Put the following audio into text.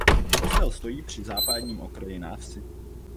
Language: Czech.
Kostel stojí při západním okraji návsi.